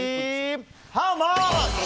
ハウマッチ。